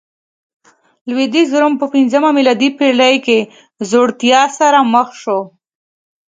لوېدیځ روم په پنځمه میلادي پېړۍ کې ځوړتیا سره مخ شو